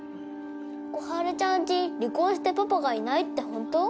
心春ちゃんち離婚してパパがいないってホント？